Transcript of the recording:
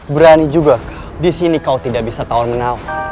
berani juga disini kau tidak bisa tawar menawar